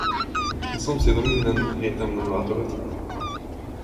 A szomszédom minden héten meglátogat.